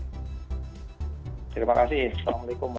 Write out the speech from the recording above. terima kasih assalamualaikum